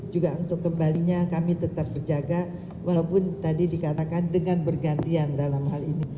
juga untuk kembalinya kami tetap berjaga walaupun tadi dikatakan dengan bergantian dalam hal ini